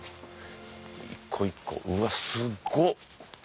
一個一個うわっすっご！